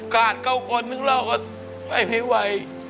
กาดเขาคนนึงเราก็ไปไม่ไหว